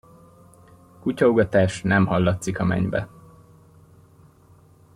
Kutyaugatás nem hallatszik a mennybe.